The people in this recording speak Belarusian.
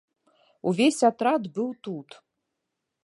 Увесь атрад быў тут.